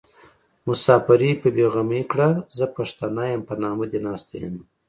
مساپري په بې غمي کړه زه پښتنه يم په نامه دې ناسته يمه